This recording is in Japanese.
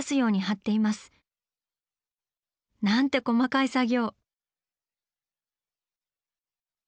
なんて細かい作業！